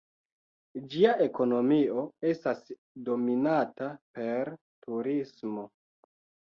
Ĝia ekonomio estas dominata per turismo.